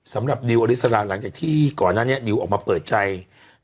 สำหรับดิวอลิสระหลังจากที่ก่อนนั้นดิวมาเปิดใจค่ะ